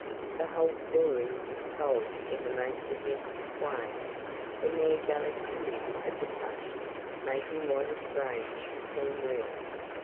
The whole story is told in the most suggestive way, the mere delicacy of the touch making what is strange seem real.